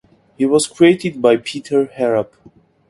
He was created by Peter Harrap.